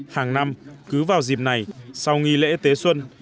hàng năm cứ vào dịp này sau nghi lễ tế xuân